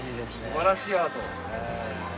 素晴らしいアート。